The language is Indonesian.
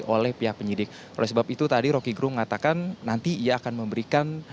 oleh sebab itu tadi roky gerung mengatakan nanti ia akan memberikan